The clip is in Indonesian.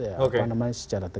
apa namanya secara tegas